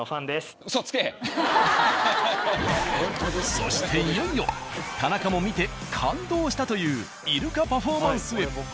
そしていよいよ田中も見て感動したというイルカパフォーマンスへ。